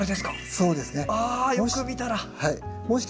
そうですね。